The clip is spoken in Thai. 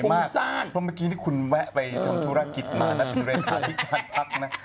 เพราะเมื่อกี้นี่คุณแวะไปทำธุรกิจมานะเป็นเรคาที่การพักนะ